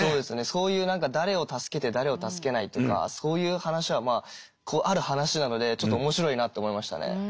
そういう何か誰を助けて誰を助けないとかそういう話はある話なのでちょっと面白いなと思いましたね。